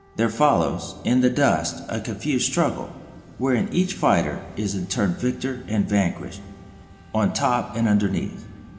There follows, in the dust, a confused struggle, wherein each fighter is in turn victor and vanquished, on top and underneath.